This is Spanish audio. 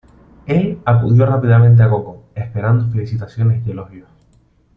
Él acudió rápidamente a Coco, esperando felicitaciones y elogios.